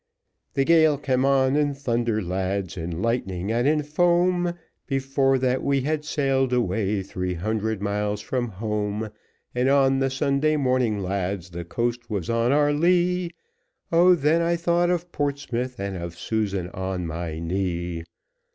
The gale came on in thunder, lads, in lightning, and in foam, Before that we had sail'd away three hundred miles from home; And on the Sunday morning, lads, the coast was on our lee, Oh, then I thought of Portsmouth, and of Susan on my knee.